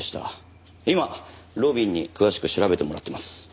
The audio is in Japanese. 今路敏に詳しく調べてもらってます。